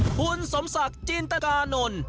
คุณสมศักดิ์จินตกานนท์